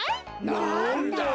なんだ。